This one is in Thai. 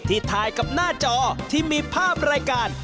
ถ่ายกับหน้าจอที่มีภาพรายการ